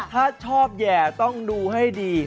ถ้าชอบแห่ต้องดูให้ดี